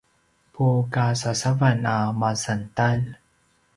pukasasavan a masantalj